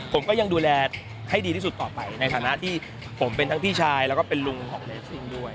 ผมก็ยังดูแลให้ดีที่สุดต่อไปในฐานะที่ผมเป็นทั้งพี่ชายแล้วก็เป็นลุงของเรสซิ่งด้วย